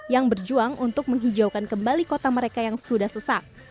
yang berjuang untuk menghijaukan kembali kota mereka yang sudah sesak